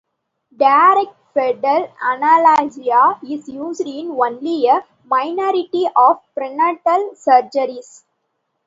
Direct fetal analgesia is used in only a minority of prenatal surgeries.